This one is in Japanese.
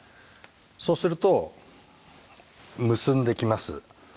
そうすると結んできます。